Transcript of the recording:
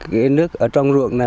cái nước ở trong ruộng này